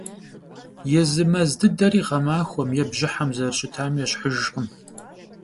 Езы мэз дыдэри гъэмахуэм е бжьыхьэм зэрыщытам ещхьыжкъым.